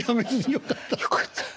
よかった。